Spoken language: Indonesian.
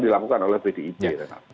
dilakukan oleh pdep